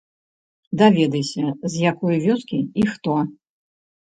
Даведайся, з якой вёскі і хто?